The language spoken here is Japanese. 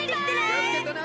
きをつけてな！